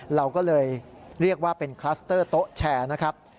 เราก็เลยเรียกว่าเป็นคลัสเตอร์โต๊ะแชร์นะครับ